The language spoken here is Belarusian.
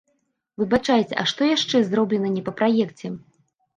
Выбачайце, а што яшчэ зроблена не па праекце?